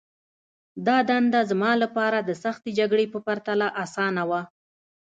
دا دنده زما لپاره د سختې جګړې په پرتله آسانه وه